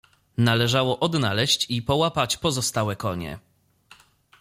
Należało odnaleźć i połapać pozostałe konie.